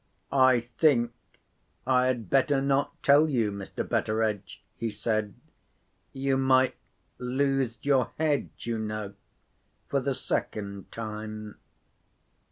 "I think I had better not tell you, Mr. Betteredge," he said. "You might lose your head, you know, for the second time."